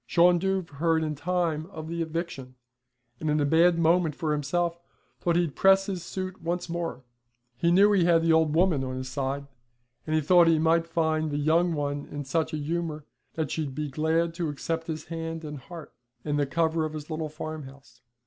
Shawn Dhuv heard in time of the eviction, and in a bad moment for himself thought he'd press his suit once more; he knew he had the old woman on his side, and he thought he might find the young one in such a humour that she'd be glad to accept his hand and heart, and the cover of his little farmhouse.